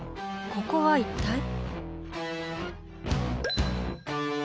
ここは一体？